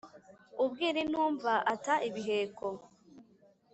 Ubwira intumva ata ibiheko.